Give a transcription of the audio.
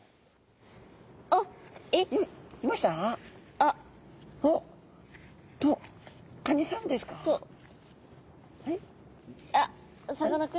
あさかなクン？